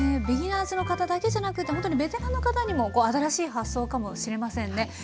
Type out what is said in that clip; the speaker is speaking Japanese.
ビギナーズの方だけじゃなくほんとにベテランの方にも新しい発想かもしれませんね。